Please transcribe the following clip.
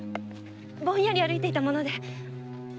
ぼんやり歩いていたもので。